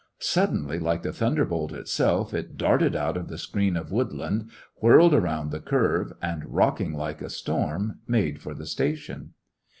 Suddenly, like the thunderbolt itself, it darted out of the screen of woodland, whiried around the curve, and, rocking like a storm, made for the station.